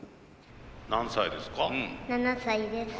何歳ですか？